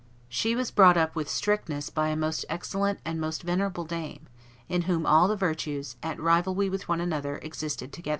She was brought up with strictness by a most excellent and most venerable dame, in whom all the virtues, at rivalry one with another, existed together.